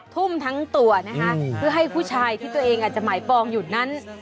ทุ่มทั้งตัวนะคะเพื่อให้ผู้ชายที่ตัวเองอาจจะหมายปองอยู่นั้น